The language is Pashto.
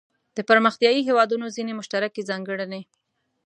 د پرمختیايي هیوادونو ځینې مشترکې ځانګړنې.